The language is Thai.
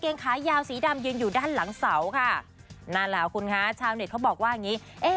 นั่นแหละคุณคะชาวเมือเค้าบอกว่าอย่างนี้